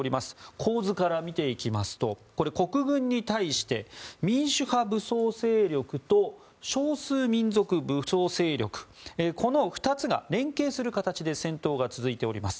構図から見ていきますと国軍に対して民主派武装勢力と少数民族武装勢力この２つが連携する形で戦闘が続いております。